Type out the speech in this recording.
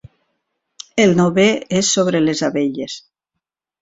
El novè és sobre les abelles.